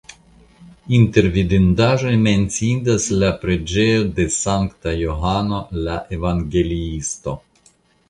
Inter vidindaĵoj menciindas la preĝejo de Sankta Johano la Evangeliisto.